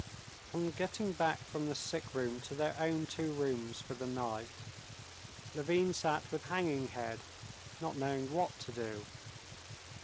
On getting back from the sick room to their own two rooms for the night, Levin sat with hanging head not knowing what to do.